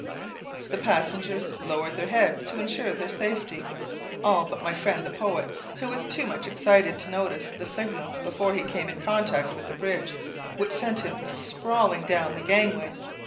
The passengers lowered their heads to ensure their safety all but my friend the poet, who was too much excited to notice the signal before he came in contact with the bridge, which sent him sprawling down the gangway.